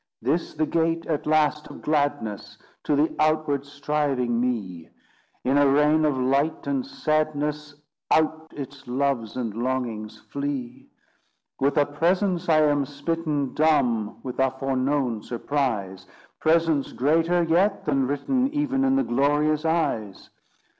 This the gate, at last, of gladness, To the outward striving me: In a rain of light and sadness, Out its loves and longings flee! With a presence I am smitten Dumb, with a foreknown surprise; Presence greater yet than written Even in the glorious eyes.